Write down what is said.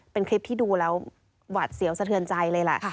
เป็นคลิปที่ดูแล้วหวัดเสียวสะเทือนใจเลยล่ะ